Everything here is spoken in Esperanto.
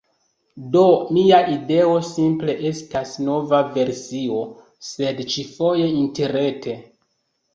Do mia ideo simple estas nova versio, sed ĉi-foje interrete.